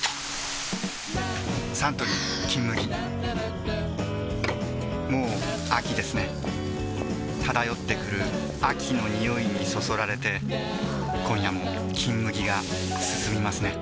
サントリー「金麦」もう秋ですね漂ってくる秋の匂いにそそられて今夜も「金麦」がすすみますね